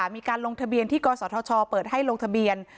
มีการลงทะเบียนที่กศธชเปิดให้ลงทะเบียน